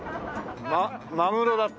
ママグロだって。